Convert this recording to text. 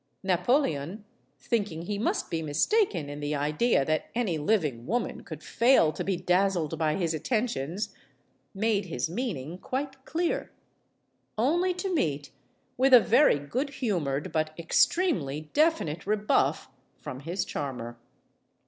Napoleon, thinking he must be mistaken in the idea that any living woman could fail to be dazzled by his attentions, made his meaning quite clear. Only to meet with a very good humored but extremely definite rebuff from his charmer.